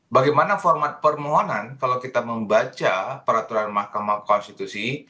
bagaimana format permohonan kalau kita membaca peraturan mahkamah konstitusi